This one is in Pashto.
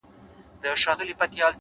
علم د انسان هویت بشپړوي؛